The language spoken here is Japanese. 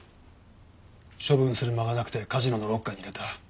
処分する間がなくてカジノのロッカーに入れた。